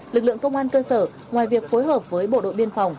lực lượng công an cơ sở ngoài việc phối hợp với bộ đội biên phòng